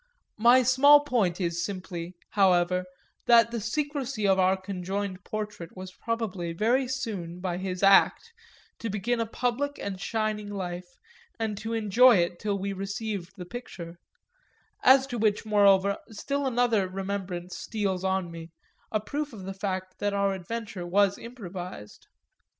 My small point is simply, however, that the secresy of our conjoined portrait was probably very soon, by his act, to begin a public and shining life and to enjoy it till we received the picture; as to which moreover still another remembrance steals on me, a proof of the fact that our adventure was improvised.